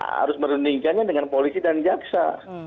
harus merundingkannya dengan polisi dan jaksa